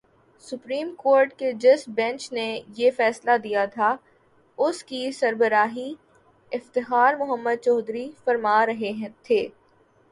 Supreme court کے جس bench نے یہ فیصلہ دیا تھا، اس کی سربراہی افتخار محمد چودھری فرما رہے تھے۔